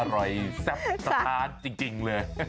อร่อยแซ่บสะท้าจริงเลย